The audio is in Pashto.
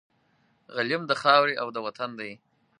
غلیم د خاوري او د وطن دی